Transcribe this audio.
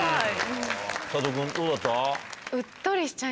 佐藤君どうだった？